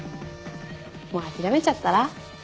もう諦めちゃったら？